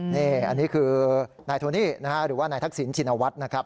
นี่อันนี้คือนายโทนี่นะฮะหรือว่านายทักษิณชินวัฒน์นะครับ